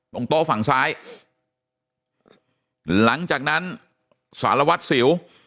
โต๊ะฝั่งซ้ายหลังจากนั้นสารวัตรสิว